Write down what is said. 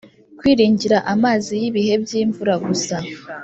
kwiringira amazi y’ibihe by’imvura gusa